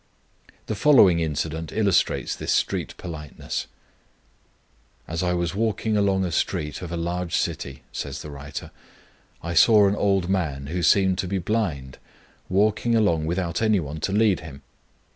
The following incident illustrates this street politeness: "As I was walking along a street of a large city," says the writer, "I saw an old man, who seemed to be blind, walking along without any one to lead him.